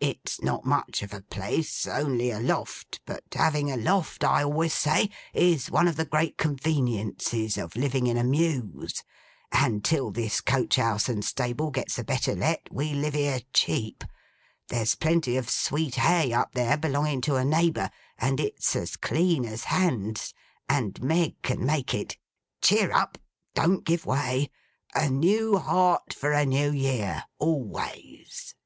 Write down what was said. It's not much of a place: only a loft; but, having a loft, I always say, is one of the great conveniences of living in a mews; and till this coach house and stable gets a better let, we live here cheap. There's plenty of sweet hay up there, belonging to a neighbour; and it's as clean as hands, and Meg, can make it. Cheer up! Don't give way. A new heart for a New Year, always!